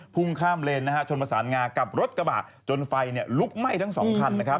พุ่งข้ามเลนชนประสานงากับรถกระบาดจนไฟลุกไหม้ทั้ง๒คัน